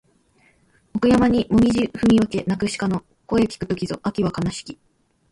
奥山にもみぢ踏み分け鳴く鹿の声聞く時ぞ秋は悲しき